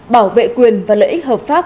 bảo vệ quyền và lợi ích hợp pháp